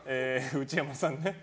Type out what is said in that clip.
内山さんね。